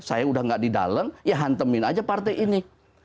saya udah gak di dalam ya hantemin aja partai ini